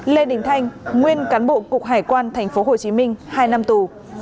lê đình thanh nguyên cán bộ cục hải quan tp hcm hai năm tù